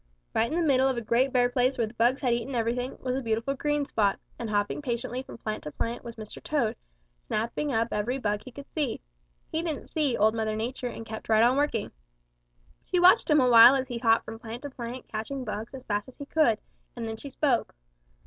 Right in the middle of a great bare place where the bugs had eaten everything was a beautiful green spot, and patiently hopping from plant to plant was Mr. Toad, snapping up every bug he could see. He didn't see Old Mother Nature and kept right on working. She watched him a while as he hopped from plant to plant catching bugs as fast as he could, and then she spoke.